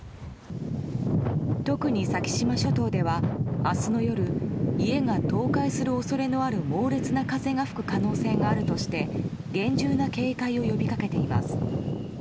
特に先島諸島では明日の夜家が倒壊する恐れのある猛烈な風が吹く可能性があるとして厳重な警戒を呼び掛けています。